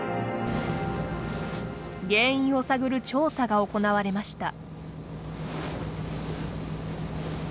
原因を探る調査が行われました。